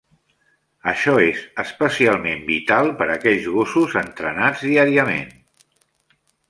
Això és especialment vital per aquells gossos entrenats diàriament.